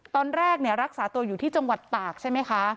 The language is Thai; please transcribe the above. ตอนแรกรักษาตัวอยู่ที่จังหวัดตากใช่ไหมคะ